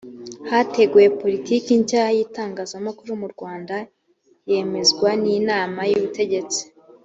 hateguwe politiki nshya y’itangazamakuru mu rwanda yemezwa n’inama y’ubutegetsi